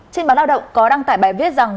trên báo lao động có đăng tải bài viết rằng